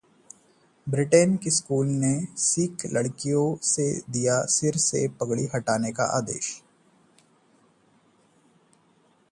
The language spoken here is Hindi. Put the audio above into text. ब्रिटेन के स्कूल ने सिख लड़कियों से fदिया सिर से पगड़ी हटाने का आदेश